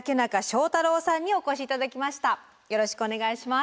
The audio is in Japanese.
よろしくお願いします。